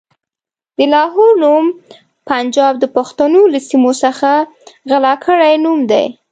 د لاهور نوم پنجاب د پښتنو له سيمو څخه غلا کړی نوم دی.